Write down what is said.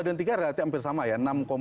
dua dan tiga relatif hampir sama ya